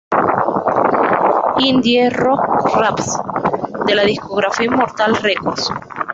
Indie Rock Raps" de la discográfica Immortal Records.